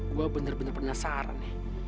gue bener bener penasaran